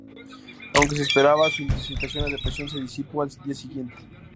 Aunque se esperaba su intensificación, la depresión se disipó al día siguiente.